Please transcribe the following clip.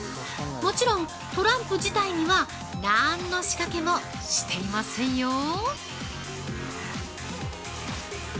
もちろん、トランプ自体にはなーんの仕掛けもしていませんよ。